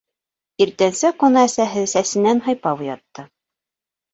Иртәнсәк уны әсәһе сәсенән һыйпап уятты: